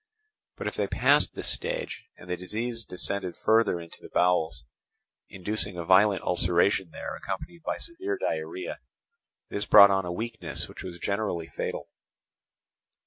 But if they passed this stage, and the disease descended further into the bowels, inducing a violent ulceration there accompanied by severe diarrhoea, this brought on a weakness which was generally fatal.